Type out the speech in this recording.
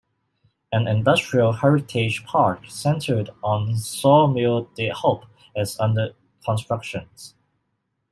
An industrial heritage park, centered on sawmill De Hoop, is under construction.